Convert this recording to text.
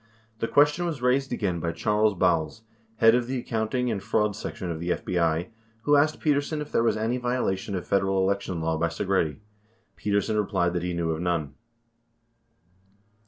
The ques tion was raised again by Charley Bowles, head of the accounting and fraud section of the FBI. who asked Petersen if there was any violation of Federal election law by Segretti. Petersen replied that he knew of none.